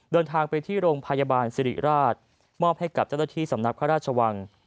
เดินทางไปที่โรงพยาบาลสิริราชมอบให้กับเจ้าหน้าที่สำนักพระราชวัง